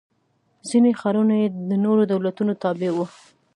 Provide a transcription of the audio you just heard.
ځیني ښارونه یې د نورو دولتونو تابع و.